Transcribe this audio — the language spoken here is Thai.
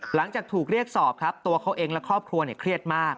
หลังจากถูกเรียกสอบครับตัวเขาเองและครอบครัวเครียดมาก